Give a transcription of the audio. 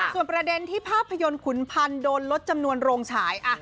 ส่วนประเด็นที่ภาพยนตร์ขุนพันธ์โดนลดจำนวนโรงฉาย